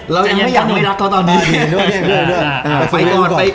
เรายังไม่รับเขาตอนนี้